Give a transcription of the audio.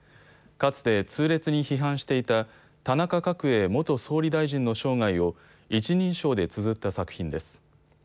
かつて痛烈に批判していた田中角栄元総理大臣の生涯を一人称でつづった作品です。